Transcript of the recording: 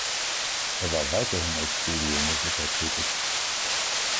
Er war weiterhin als Studiomusiker tätig.